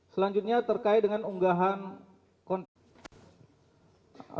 selanjutnya terkait dengan unggahan konten